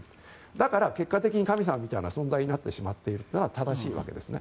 だから、結果的に神様みたいな存在になってしまっているから正しいわけですね。